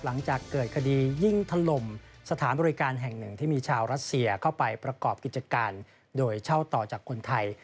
หลังจากเกิดคดียิงถล่มสถานบริการแห่งหนึ่งที่มีชาวรัสเซียเข้าไปประกอบกิจการโดยเช่าต่อจากคนไทย